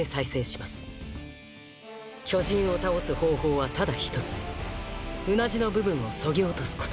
巨人を倒す方法はただ１つうなじの部分を削ぎ落とすこと。